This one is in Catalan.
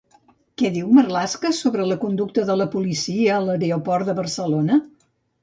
Què diu Marlaska sobre la conducta de la policia a l'aeroport de Barcelona?